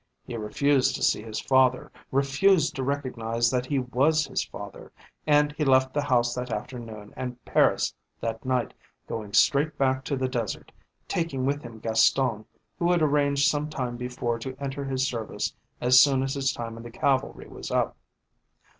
He refused to see his father, refused to recognise that he was his father, and he left the house that afternoon and Paris that night, going straight back to the desert, taking with him Gaston, who had arranged some time before to enter his service as soon as his time in the cavalry was up.